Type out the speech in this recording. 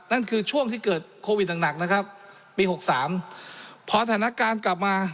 นั่นคือช่วงที่เกิดโควิดหนักหนักนะครับปีหกสามพอสถานการณ์กลับมา